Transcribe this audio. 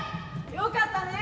よかったね